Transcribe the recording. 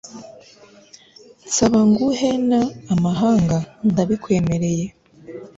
nsaba nguhe n amahanga ndabikwemereye